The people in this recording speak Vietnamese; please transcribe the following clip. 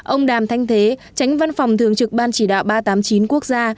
ông đàm thanh thế tránh văn phòng thường trực ban chỉ đạo ba trăm tám mươi chín quốc gia